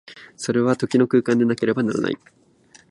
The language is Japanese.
それは時の空間でなければならない。